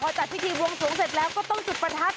จัดพิธีบวงสวงเสร็จแล้วก็ต้องจุดประทัด